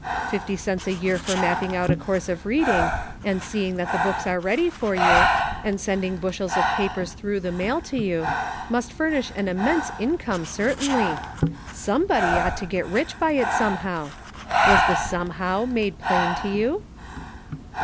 Fifty cents a year for mapping out a course of reading, and seeing that the books are ready for you, and sending bushels of papers through the mail to you, must furnish an immense income cer tainly ; somebody ought to get rich by it somehow ! Was the 'somehow' made plain to you